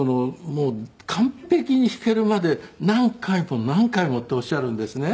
完璧に弾けるまで「何回も何回も」っておっしゃるんですね。